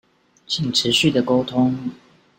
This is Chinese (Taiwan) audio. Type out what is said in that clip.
請持續的溝通